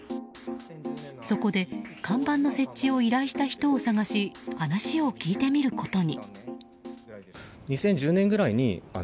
そこで、看板の設置を依頼した人を探し話を聞いてみることに。